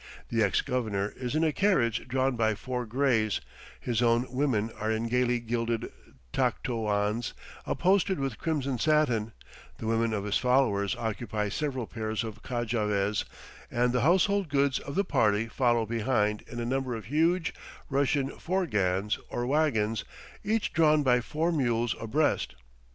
The ex Governor is in a carriage drawn by four grays; his own women are in gayly gilded taktrowans, upholstered with crimson satin; the women of his followers occupy several pairs of kajavehs, and the household goods of the party follow behind in a number of huge Russian forgans or wagons, each drawn by four mules abreast.